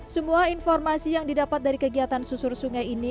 semua informasi yang didapat dari kegiatan susur sungai ini